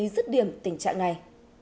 dứt điểm tình trạng này